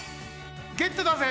ゲットだぜ！